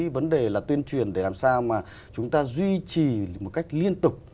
vấn đề là tuyên truyền để làm sao mà chúng ta duy trì một cách liên tục